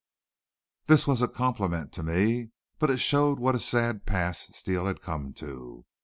This was a compliment to me, but it showed what a sad pass Steele had come to.